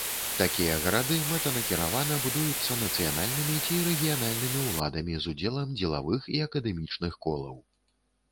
Такія гарады мэтанакіравана будуюцца нацыянальнымі ці рэгіянальнымі ўладамі з удзелам дзелавых і акадэмічных колаў.